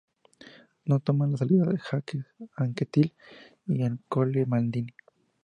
No toman la salida Jacques Anquetil y Ercole Baldini.